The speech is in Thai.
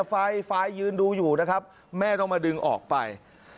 ไฟล์ยืนดูอยู่นะครับแม่ต้องมาดึงออกไป